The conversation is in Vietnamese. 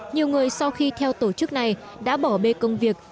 nhiều người sau khi theo tổ chức này đã bỏ bê công việc